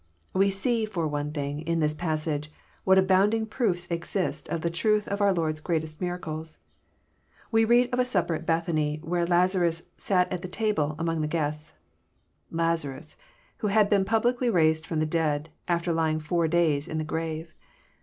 We see, for one thing, in this passage, whxjiJt abounding proofs exist of the truth of our Lord's greatest miracles. We read of a supper at Bethany, where Lazarus " sat at the table " among the guests, — Lazarus, who had been publicly raised from the dead, after lying four days in the grave.